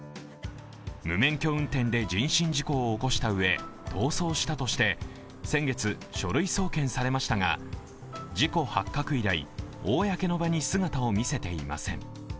無免許運転で人身事故を起こしたうえ、逃走したとして先月、書類送検されましたが事故発覚以来公の場に姿を見せていません。